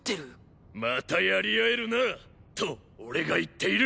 またやり合えるな！と俺が言っている。